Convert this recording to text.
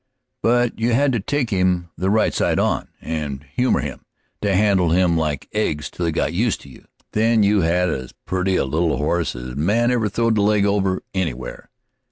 But you had to take him the right side on, and humor him, and handle him like eggs till he got used to you. Then you had as purty a little horse as a man ever throwed a leg over, anywhere.